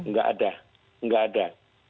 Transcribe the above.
enggak ada enggak ada